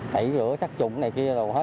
tẩy rửa sắc trụng này kia